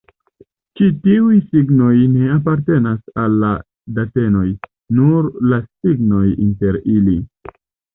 Ĉi tiuj signoj ne apartenas al la datenoj, nur la signoj inter ili.